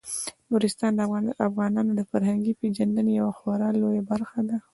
نورستان د افغانانو د فرهنګي پیژندنې یوه خورا لویه برخه ده.